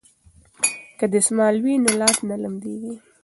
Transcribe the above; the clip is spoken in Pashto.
که دستمال وي نو لاس نه لمدیږي.